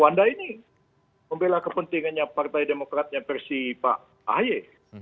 anda ini membela kepentingannya partai demokratnya versi pak ahy